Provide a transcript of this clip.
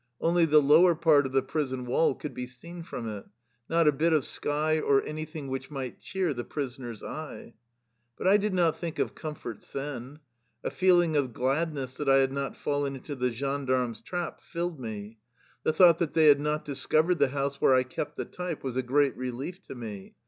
Only the lower part of the prison wall could be seen from it ; not a bit of sky or anything which might cheer the prisoner's eye. But I did not think of comforts then. A feel ing of gladness that I had not fallen into the gendarme's trap filled me. The thought that they had not discovered the house where I kept the type was a great relief to me.